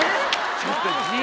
⁉ちょっと陣！